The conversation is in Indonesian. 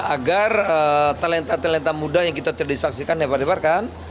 agar talenta talenta muda yang kita terdisaksikan nebar nebar kan